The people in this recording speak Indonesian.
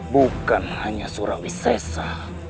bukan hanya surawi sesa